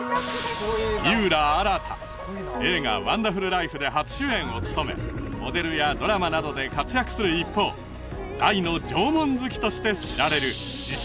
井浦新映画「ワンダフルライフ」で初主演を務めモデルやドラマなどで活躍する一方大の縄文好きとして知られる自称